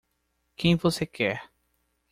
Quem você quer?